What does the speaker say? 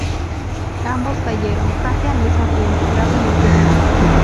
Ambos cayeron, casi al mismo tiempo, gravemente heridos.